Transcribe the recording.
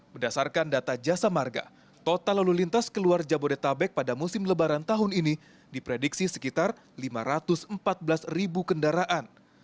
berdasarkan data jasa marga total lalu lintas keluar jabodetabek pada musim lebaran tahun ini diprediksi sekitar lima ratus empat belas ribu kendaraan